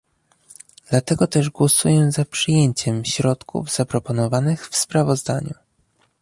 Dlatego też głosuję za przyjęciem środków zaproponowanych w sprawozdaniu